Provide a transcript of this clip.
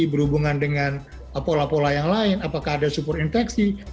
berhubungan dengan pola pola yang lain apakah ada superinfeksi